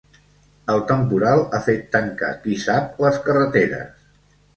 El temporal ha fet tancar qui-sap-les carreteres.